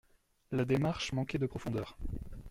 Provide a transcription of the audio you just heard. La démarche manquait de profondeur.